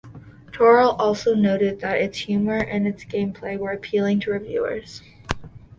Torill also noted that its humour and its gameplay were appealing to reviewers.